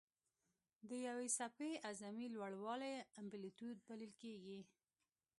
د یوې څپې اعظمي لوړوالی امپلیتیوډ بلل کېږي.